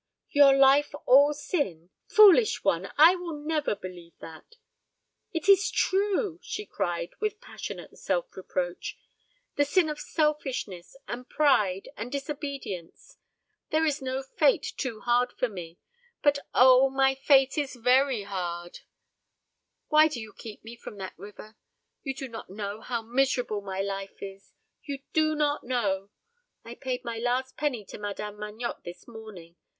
"Your life all sin! Foolish one, I will never believe that." "It is true," she cried, with passionate self reproach. "The sin of selfishness, and pride, and disobedience. There is no fate too hard for me but, O, my fate is very hard! Why did you keep me from that river? You do not know how miserable my life is you do not know. I paid my last penny to Madame Magnotte this morning.